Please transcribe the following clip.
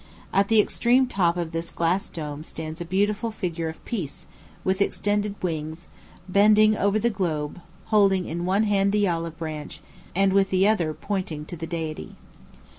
At the extreme top of this glass dome stands a beautiful figure of Peace, with extended wings, bending over the globe, holding in one hand the olive branch, and with the other pointing to the Deity.